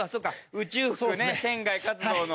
宇宙服ね船外活動の。